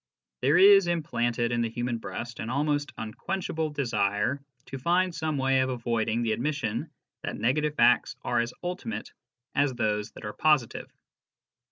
There is implanted in the human breast an almost un quenchable desire to find some way of avoiding the admission that negative facts are as ultimate as those that are positive.